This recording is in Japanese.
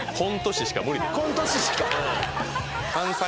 コント師しか。